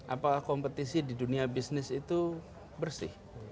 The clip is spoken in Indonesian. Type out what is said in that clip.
apakah kompetisi di dunia bisnis itu bersih